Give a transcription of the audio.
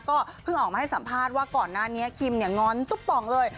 ก็เพิ่งออกมาให้สัมภาษณ์ว่าก่อนหน้านี้คิมเนี่ยง้อนตุ๊บป่องเลย